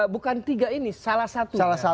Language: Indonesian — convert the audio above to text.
bukan tiga ini salah satu